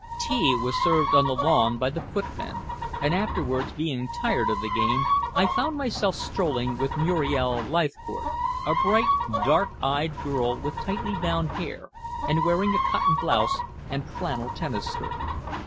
Tea was served on the lawn by the footmen, and afterwards, being tired of the game, I found myself strolling with Muriel Leithcourt, a bright, dark eyed girl with tightly bound hair, and wearing a cotton blouse and flannel tennis skirt.